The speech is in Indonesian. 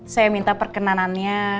saya minta perkenanannya